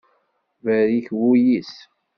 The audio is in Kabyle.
Berrik wul-is.